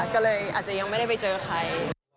ก็เลยอาจจะยังไม่ได้ไปเจอใคร